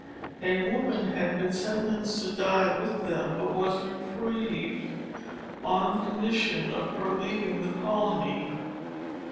A woman had been sentenced to die with them, but was reprieved, on condition of her leaving the colony.